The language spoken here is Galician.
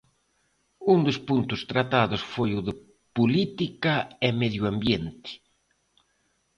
Un dos puntos tratados foi o de 'Política e medioambiente'.